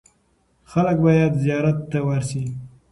خلک باید یې زیارت ته ورسي.